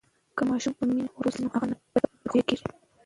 که ماشوم په مینه و روزل سي نو هغه نه بدخویه کېږي.